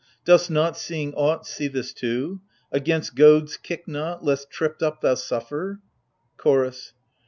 Dost not, seeing aught, see this too ? Against goads kick not, lest tript up thou suffer ! CHOROS.